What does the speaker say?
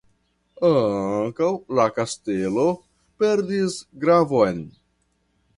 Ankaŭ la kastelo perdis gravon.